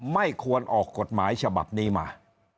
ไม่ควรออกกฎหมายฉบับนี้มา